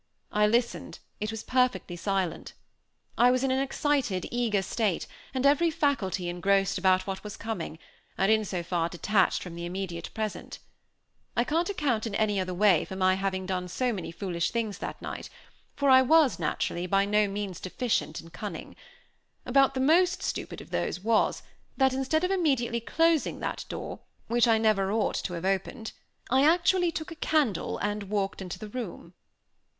I listened, it was perfectly silent. I was in an excited, eager state, and every faculty engrossed about what was coming, and in so far detached from the immediate present. I can't account, in any other way, for my having done so many foolish things that night, for I was, naturally, by no means deficient in cunning. About the most stupid of those was, that instead of immediately closing that door, which I never ought to have opened, I actually took a candle and walked into the room.